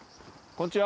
こんにちは。